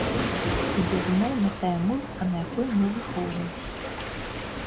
І, безумоўна, тая музыка, на якой мы выхоўваліся.